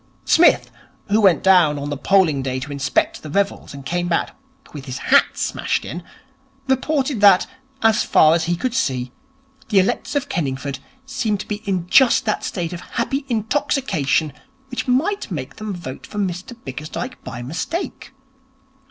Psmith, who went down on the polling day to inspect the revels and came back with his hat smashed in, reported that, as far as he could see, the electors of Kenningford seemed to be in just that state of happy intoxication which might make them vote for Mr Bickersdyke by mistake.